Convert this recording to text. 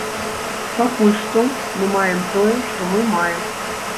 Пакуль што мы маем тое, што мы маем.